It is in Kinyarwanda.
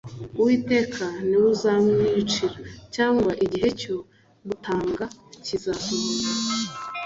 Uwiteka ni we uzamwiyicira cyangwa igihe cye cyo gutanga kizasohora